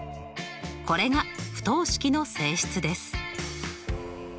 これが不等式の性質です。